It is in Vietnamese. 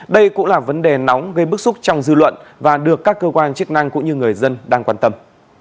đây cũng là vấn đề nóng gây bức xúc trong dư luận và được các cơ quan chức năng cũng như người dân đang quan tâm